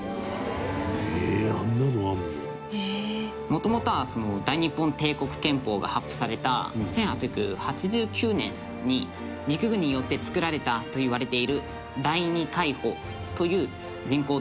もともとは大日本帝国憲法が発布された１８８９年に陸軍によって作られたといわれている第二海堡という人工島ですね。